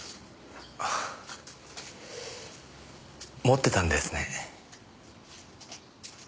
持ってたんですね。